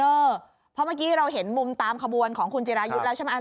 เพราะเมื่อกี้เราเห็นมุมตามขบวนของคุณจิรายุทธ์แล้วใช่ไหม